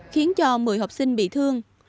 khiến cho một mươi học sinh bị thương